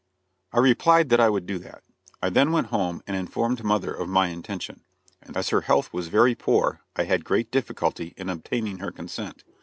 I replied that I would do that. I then went home and informed mother of my intention, and as her health was very poor I had great difficulty in obtaining her consent.